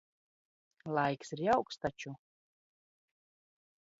Laiks ir jauks taču.